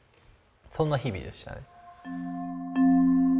そんな日々でしたね。